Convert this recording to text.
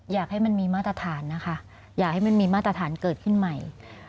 อยากให้มันมีมาตรฐานนะคะอยากให้มันมีมาตรฐานเกิดขึ้นใหม่